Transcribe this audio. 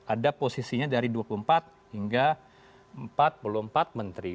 ada posisinya dari dua puluh empat hingga empat puluh empat menteri